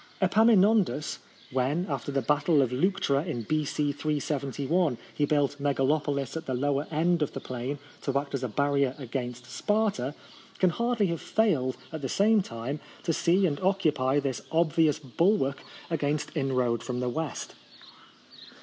Epaminondas, when, after the battle of Leuctra in B.C. 371, he built Megalopolis at the lower end of the plain to act as a barrier against Sparta, can hardly have failed at the same time to see and occupy this obvious bulwark against inroad from the west.